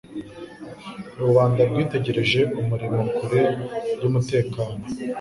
Rubanda rwitegereje umuriro kure yumutekano.